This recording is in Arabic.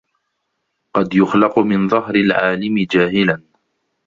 قد يخلق من ظهر العالم جاهلاً